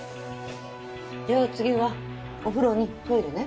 じゃあ次はお風呂にトイレね。